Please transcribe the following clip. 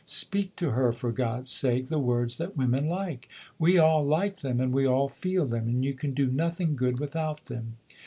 Speak to her, for God's sake, the words that women like. We all like them, and we all feel them, and you can do nothing good without them.